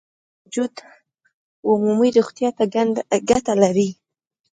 بېنډۍ د وجود عمومي روغتیا ته ګټه لري